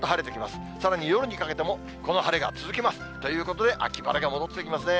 さらに夜にかけてもこの晴れが続きます。ということで、秋晴れが戻ってきますね。